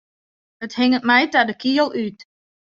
It hinget my ta de kiel út.